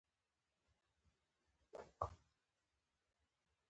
خو د مؤلده ځواکونو په تکامل سره حالت بدل شو.